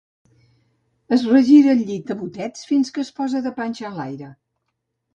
Es regira al llit a botets, fins que es posa de panxa enlaire.